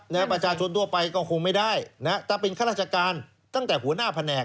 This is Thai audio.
ประชาชนทั่วไปก็คงไม่ได้นะฮะถ้าเป็นข้าราชการตั้งแต่หัวหน้าแผนก